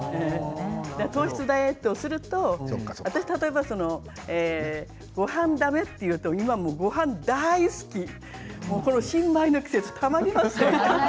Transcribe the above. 糖質ダイエットをすると例えばごはんだめというと胃はごはん大好き新米の季節、たまりません。